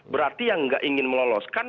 berarti yang nggak ingin meloloskan